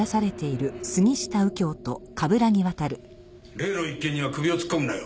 例の一件には首を突っ込むなよ。